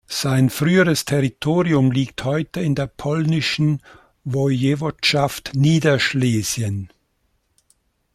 Sein früheres Territorium liegt heute in der polnischen Wojewodschaft Niederschlesien.